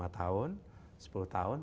lima tahun sepuluh tahun